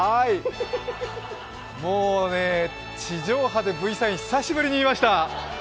もうね、地上波でＶサイン久しぶりに見ました！